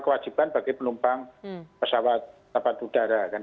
kewajiban bagi penumpang pesawat dapat udara kan